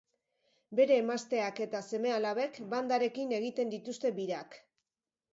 Bere emazteak eta seme-alabek bandarekin egiten dituzte birak.